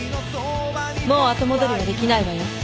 もう後戻りはできないわよ